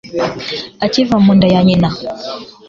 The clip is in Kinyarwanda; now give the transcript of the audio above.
akiva mu nda ya nyina